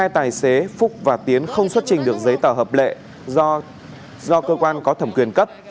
hai tài xế phúc và tiến không xuất trình được giấy tờ hợp lệ do cơ quan có thẩm quyền cấp